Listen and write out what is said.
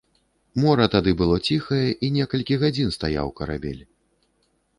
Мора тады было ціхае, і некалькі гадзін стаяў карабель.